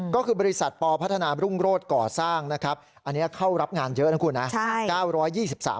ก็คือบริษัทปพัฒนารุ่งโรศก่อสร้างนะครับอันนี้เข้ารับงานเยอะนะคุณนะ